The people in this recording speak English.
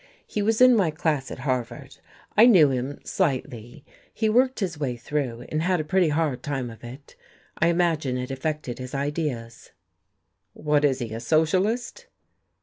"He was in my class at Harvard. I knew him slightly. He worked his way through, and had a pretty hard time of it. I imagine it affected his ideas." "What is he, a Socialist?"